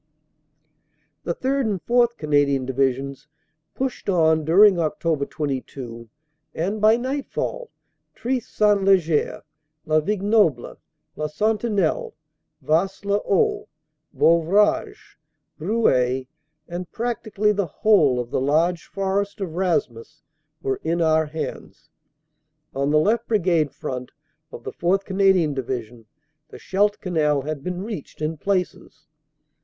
"The 3rd. and 4th. Canadian Divisions pushed on during Oct. 22, and by nightfall Trith St. Leger, La Vignoble, La Sentinelle, Waast le Haut, Beauvrages, Bruay, and practic ally the whole of the large forest of Raismes, were in our hands. On the left Brigade front of the 4th. Canadian Divi sion the Scheldt Canal had been reached in places.